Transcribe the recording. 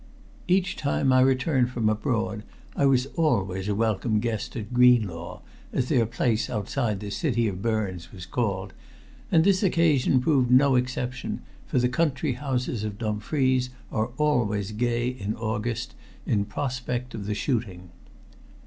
Each time I returned from abroad I was always a welcome guest at Greenlaw, as their place outside the city of Burns was called, and this occasion proved no exception, for the country houses of Dumfries are always gay in August in prospect of the shooting.